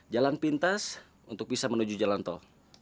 jalan pintas untuk bisa menuju jalan tol